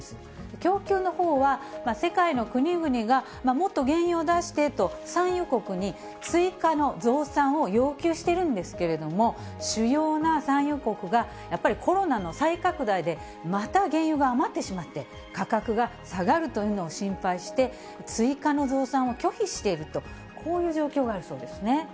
供給のほうは世界の国々が、もっと原油を出してと、産油国に追加の増産を要求しているんですけれども、主要な産油国が、やっぱりコロナの再拡大でまた原油が余ってしまって、価格が下がるというのを心配して、追加の増産を拒否していると、こういう状況があるそうですね。